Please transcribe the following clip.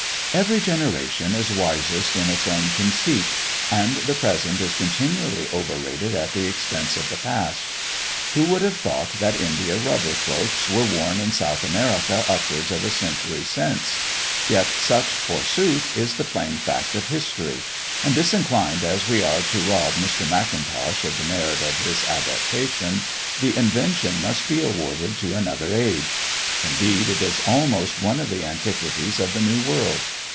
Every generation is wisest in its own conceit, and the present is continually overrated at the expense of the past. Who would have thought that India rubber cloaks were worn in South America upwards of a century since? yet such, forsooth, is the plain fact of history; and disinclined as we are to rob Mr. Macintosh of the merit of his adaptation, the invention must be awarded to another age; indeed, it is almost one of the antiquities of the New World.